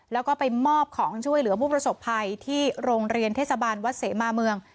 แล้วก็ไปมอบของช่วยเหลือผู้ประสบภัยที่โรงเรียนเทศบาลวัดเสมาเมือง